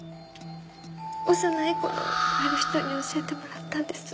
幼い頃ある人に教えてもらったんです。